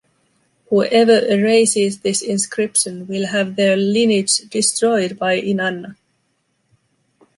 Whoever erases this inscription will have their lineage destroyed by Inanna.